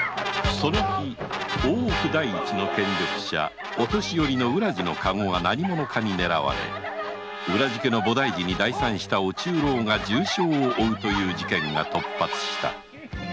その日大奥第一の権力者御年寄・浦路のカゴが何者かに狙われ浦路家菩提寺に代参した御中老が重傷を負う事件が突発した